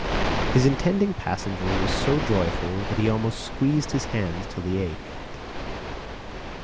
His intending passenger was so joyful that he almost squeezed his hands till they ached.